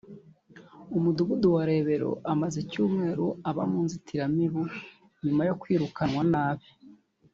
umudugudu wa Rebero amaze icyumweru aba mu nzitiramibu nyuma yo kwirukanwa n’abe